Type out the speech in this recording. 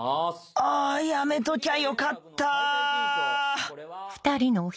あやめときゃよかった！